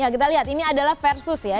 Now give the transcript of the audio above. kita lihat ini adalah versus ya